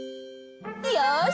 よし！